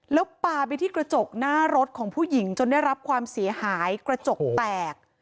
แล้วปลาไปที่กระจกหน้ารถของผู้หญิงจนได้รับความเสียหายกระจกแตก